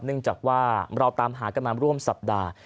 เนื่องจากว่าเราตามหากันมาร่วมสัปดาห์